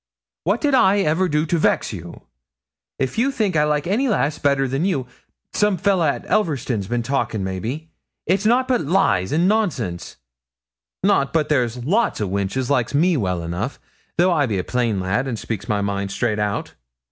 What did I ever do to vex you? If you think I like any lass better than you some fellah at Elverston's bin talkin', maybe it's nout but lies an' nonsense. Not but there's lots o' wenches likes me well enough, though I be a plain lad, and speaks my mind straight out.'